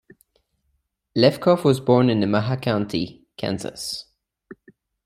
Lefkow was born in Nemaha County, Kansas.